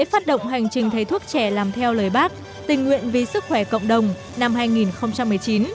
hành trình thầy thuốc trẻ làm theo lời bác tình nguyện vì sức khỏe cộng đồng năm hai nghìn một mươi chín